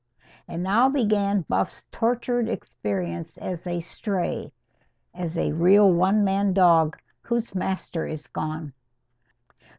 And now began Buff's tortured experience as a stray as a leal one man dog whose master is gone.